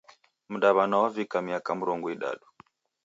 Mdaw'ana wavika miaka mrongo idadu.